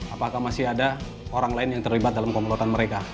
apakah masih ada orang lain yang terlibat dalam komplotan mereka